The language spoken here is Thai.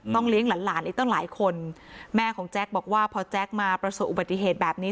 เลี้ยงหลานหลานอีกตั้งหลายคนแม่ของแจ๊คบอกว่าพอแจ๊คมาประสบอุบัติเหตุแบบนี้